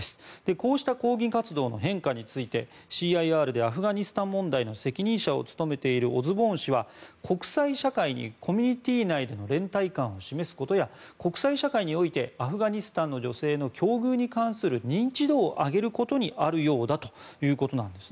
こうした抗議活動の変化についてＣＩＲでアフガニスタン問題の責任者を務めているオズボーン氏は国際社会にコミュニティー内での連帯感を示すことや国際社会においてアフガニスタンの女性の境遇に関する認知度を上げることにあるようだということです。